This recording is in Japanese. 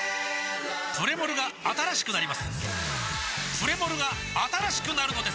プレモルが新しくなるのです！